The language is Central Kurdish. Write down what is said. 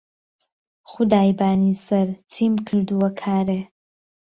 خودای بانی سهر چیم کردووه کارێ